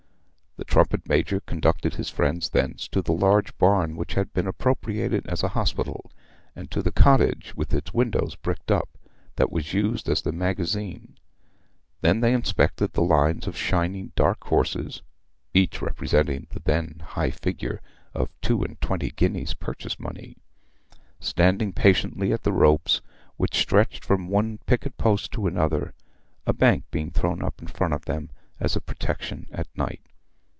The trumpet major conducted his friends thence to the large barn which had been appropriated as a hospital, and to the cottage with its windows bricked up, that was used as the magazine; then they inspected the lines of shining dark horses (each representing the then high figure of two and twenty guineas purchase money), standing patiently at the ropes which stretched from one picket post to another, a bank being thrown up in front of them as a protection at night.